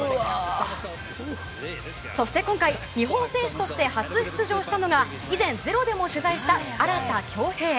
そして今回、日本選手として初出場したのが以前「ｚｅｒｏ」でも取材した荒田恭兵。